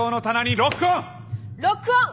ロックオン！